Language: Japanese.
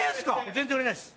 全然売れないっす。